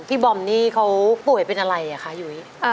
บอมนี่เขาป่วยเป็นอะไรอ่ะคะยุ้ย